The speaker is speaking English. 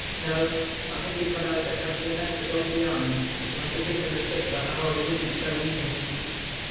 No. I think he's got out of the country, and left the dog behind. He must have given him the slip somehow, or he wouldn't be so easy."